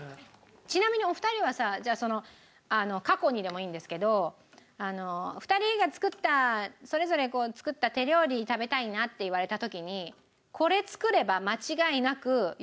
ちなみにお二人はさ過去にでもいいんですけど２人が作ったそれぞれ作った手料理食べたいなって言われた時に。